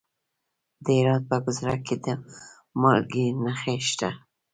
د هرات په ګذره کې د مالګې نښې شته.